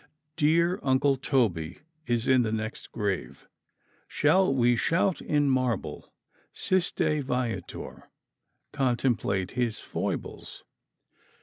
Dear Uncle Toby is in the next grave. Shall we shout in marble, "Siste, viator, contemplate his foibles"?